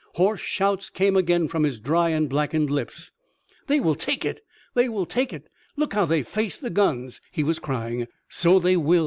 Hoarse shouts came again from his dry and blackened lips: "They will take it! they will take it! Look how they face the guns!" he was crying. "So they will!"